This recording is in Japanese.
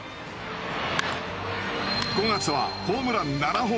５月はホームラン７本。